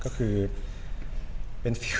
ก็คือทำไมผมถึงไปยื่นคำร้องต่อสารเนี่ย